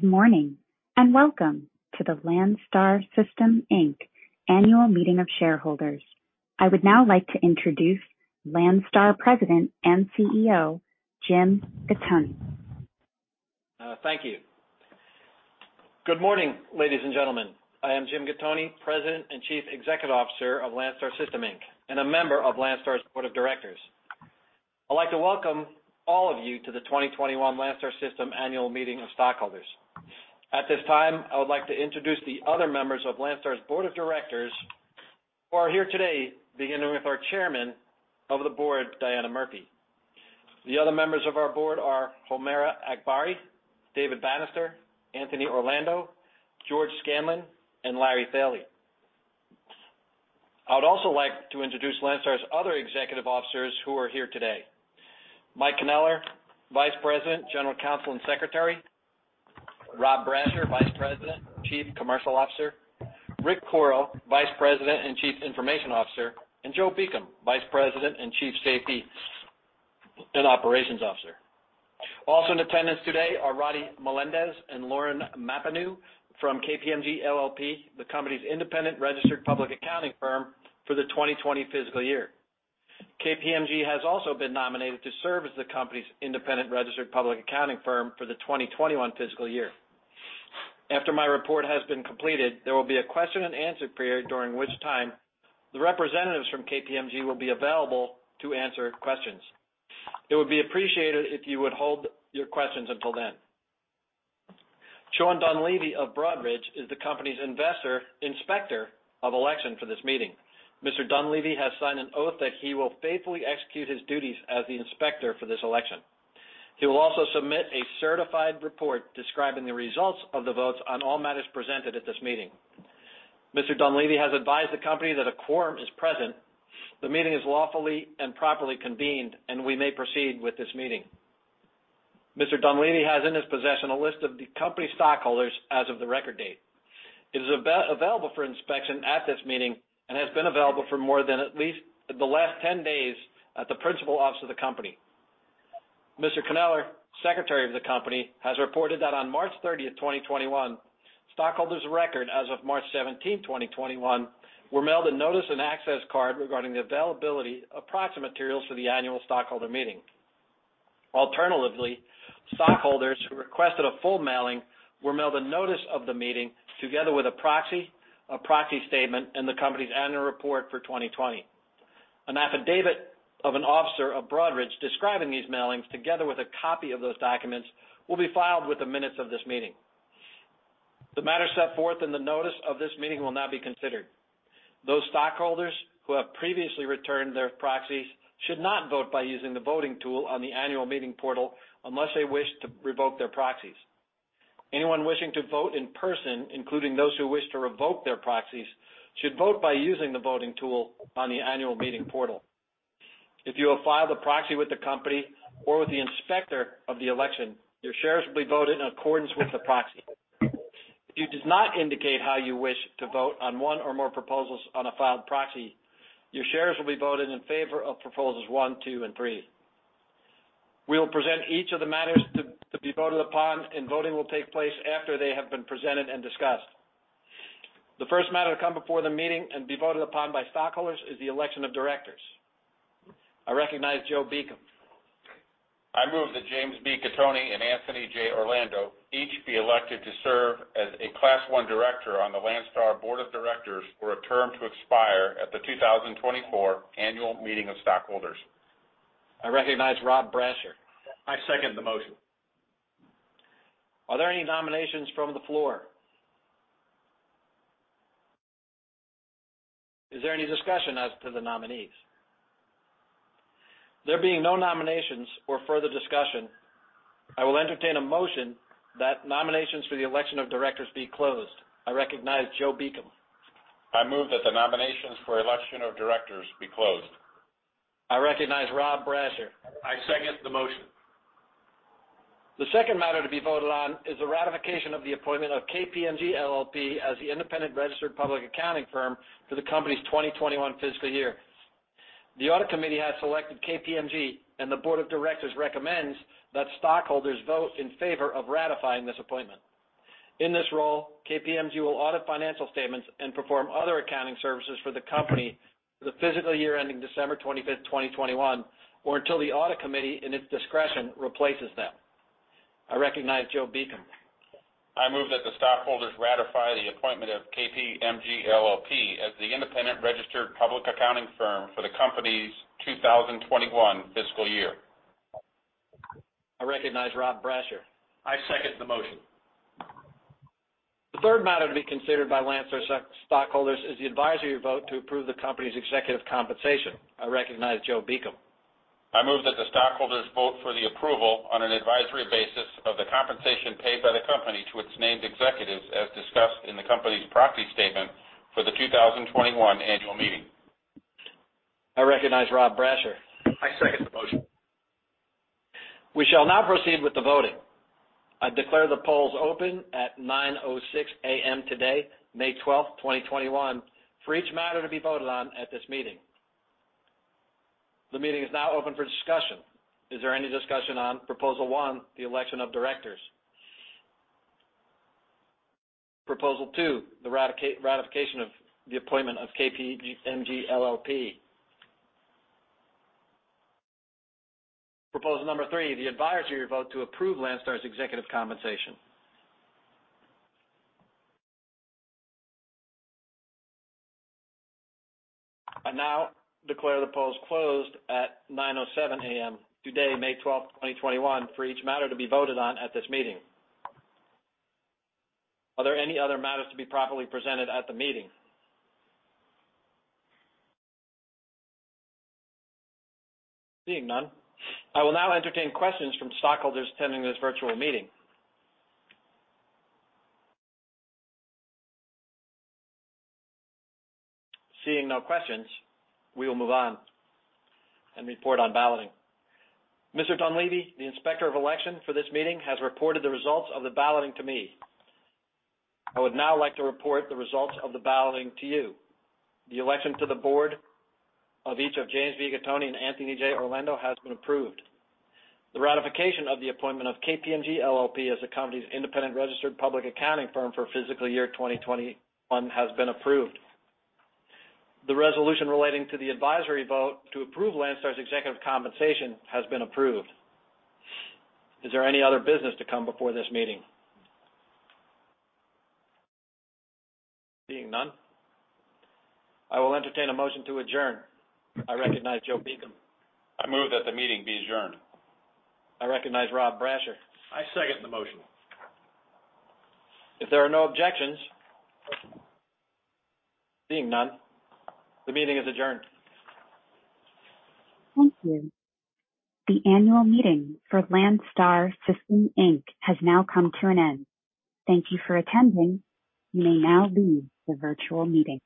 Good morning, and welcome to the Landstar System Inc Annual Meeting of shareholders. I would now like to introduce Landstar President and CEO, Jim Gattoni. Thank you. Good morning, ladies and gentlemen. I am Jim Gattoni, President and Chief Executive Officer of Landstar System Inc and a member of Landstar's Board of Directors. I'd like to welcome all of you to the 2021 Landstar System Annual Meeting of Stockholders. At this time, I would like to introduce the other members of Landstar's Board of Directors who are here today, beginning with our Chairman of the board, Diana Murphy. The other members of our board are Homaira Akbari, David Bannister, Anthony Orlando, George Scanlon, and Larry Thoele. I would also like to introduce Landstar's other executive officers who are here today. Mike Kneller, Vice President, General Counsel, and Secretary; Rob Brasher, Vice President and Chief Commercial Officer; Rick Coro, Vice President and Chief Information Officer; and Joe Beacom, Vice President and Chief Safety and Operations Officer. Also in attendance today are Rodrigo Melendez and Lauren Mapanoo from KPMG LLP, the company's independent registered public accounting firm for the 2020 fiscal year. KPMG has also been nominated to serve as the company's independent registered public accounting firm for the 2021 fiscal year. After my report has been completed, there will be a question-and-answer period, during which time the representatives from KPMG will be available to answer questions. It would be appreciated if you would hold your questions until then. Sean Dunleavy of Broadridge is the company's inspector of election for this meeting. Mr. Dunleavy has signed an oath that he will faithfully execute his duties as the inspector for this election. He will also submit a certified report describing the results of the votes on all matters presented at this meeting. Mr. Dunleavy has advised the company that a quorum is present, the meeting is lawfully and properly convened, and we may proceed with this meeting. Mr. Dunleavy has, in his possession, a list of the company stockholders as of the record date. It is available for inspection at this meeting and has been available for more than at least the last 10 days at the principal office of the company. Mr. Kneller, Secretary of the company, has reported that on March 30, 2021, stockholders of record as of March 17, 2021, were mailed a notice and access card regarding the availability of proxy materials for the annual stockholder meeting. Alternatively, stockholders who requested a full mailing were mailed a notice of the meeting, together with a proxy, a proxy statement, and the company's annual report for 2020. An affidavit of an officer of Broadridge describing these mailings, together with a copy of those documents, will be filed with the minutes of this meeting. The matter set forth in the notice of this meeting will now be considered. Those stockholders who have previously returned their proxies should not vote by using the voting tool on the annual meeting portal unless they wish to revoke their proxies. Anyone wishing to vote in person, including those who wish to revoke their proxies, should vote by using the voting tool on the annual meeting portal. If you have filed a proxy with the company or with the inspector of the election, your shares will be voted in accordance with the proxy. If you does not indicate how you wish to vote on one or more proposals on a filed proxy, your shares will be voted in favor of proposals one, two, and three. We will present each of the matters to be voted upon, and voting will take place after they have been presented and discussed. The first matter to come before the meeting and be voted upon by stockholders is the election of directors. I recognize Joe Beacom. I move that James B. Gattoni and Anthony J. Orlando each be elected to serve as a Class I director on the Landstar Board of Directors for a term to expire at the 2024 annual meeting of stockholders. I recognize Rob Brasher. I second the motion. Are there any nominations from the floor? Is there any discussion as to the nominees? There being no nominations or further discussion, I will entertain a motion that nominations for the election of directors be closed. I recognize Joe Beacom. I move that the nominations for election of directors be closed. I recognize Rob Brasher. I second the motion. The second matter to be voted on is the ratification of the appointment of KPMG LLP as the independent registered public accounting firm for the company's 2021 fiscal year. The audit committee has selected KPMG, and the board of directors recommends that stockholders vote in favor of ratifying this appointment. In this role, KPMG will audit financial statements and perform other accounting services for the company for the fiscal year ending December 25, 2021, or until the audit committee, in its discretion, replaces them. I recognize Joe Beacom. I move that the stockholders ratify the appointment of KPMG LLP as the independent registered public accounting firm for the company's 2021 fiscal year. I recognize Rob Brasher. I second the motion. The third matter to be considered by Landstar stockholders is the advisory vote to approve the company's executive compensation. I recognize Joe Beacom. I move that the stockholders vote for the approval on an advisory basis of the compensation paid by the company to its named executives, as discussed in the company's proxy statement for the 2021 annual meeting. I recognize Rob Brasher. I second the motion. We shall now proceed with the voting. I declare the polls open at 9:06 A.M. today, May 12, 2021, for each matter to be voted on at this meeting. The meeting is now open for discussion. Is there any discussion on Proposal One: the election of directors? Proposal Two: the ratification of the appointment of KPMG LLP. Proposal number three: the advisory vote to approve Landstar's executive compensation. I now declare the polls closed at 9:07 A.M. today, May 12, 2021, for each matter to be voted on at this meeting. Are there any other matters to be properly presented at the meeting? Seeing none, I will now entertain questions from stockholders attending this virtual meeting. Seeing no questions, we will move on and report on balloting. Mr. Dunleavy, the Inspector of Election for this meeting, has reported the results of the balloting to me. I would now like to report the results of the balloting to you. The election to the board of each of James B. Gattoni and Anthony J. Orlando has been approved. The ratification of the appointment of KPMG LLP as the company's independent registered public accounting firm for fiscal year 2021 has been approved. The resolution relating to the advisory vote to approve Landstar's executive compensation has been approved. Is there any other business to come before this meeting? Seeing none, I will entertain a motion to adjourn. I recognize Joe Beacom. I move that the meeting be adjourned. I recognize Rob Brasher. I second the motion. If there are no objections? Seeing none, the meeting is adjourned. Thank you. The annual meeting for Landstar System Inc has now come to an end. Thank you for attending. You may now leave the virtual meeting.